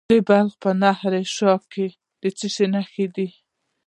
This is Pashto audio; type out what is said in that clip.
د بلخ په نهر شاهي کې د څه شي نښې دي؟